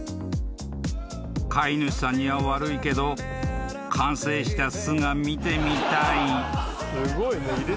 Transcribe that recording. ［飼い主さんには悪いけど完成した巣が見てみたい］